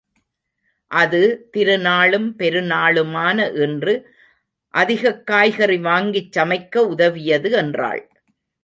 அது, திருநாளும் பெருநாளுமான இன்று, அதிகக் காய்கறி வாங்கிச் சமைக்க உதவியது என்றாள்.